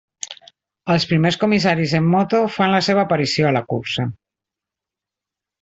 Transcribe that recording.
Els primers comissaris en moto fan la seva aparició a la cursa.